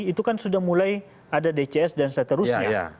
itu kan sudah mulai ada dcs dan seterusnya